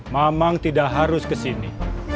mamang tidak harus kesini